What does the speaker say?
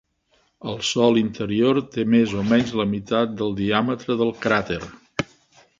El sòl interior té més o menys la meitat del diàmetre del cràter.